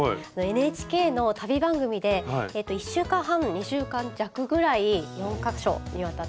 ＮＨＫの旅番組で１週間半２週間弱ぐらい４か所にわたって。